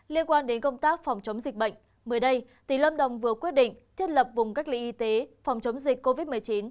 liên quan đến công tác phòng chống dịch bệnh mới đây tỉnh lâm đồng vừa quyết định thiết lập vùng cách ly y tế phòng chống dịch covid một mươi chín